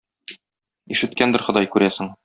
Ишеткәндер Ходай, күрәсең.